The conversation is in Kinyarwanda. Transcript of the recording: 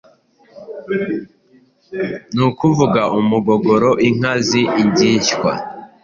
ni ukuvuga umugogoro, inka z'ingishywa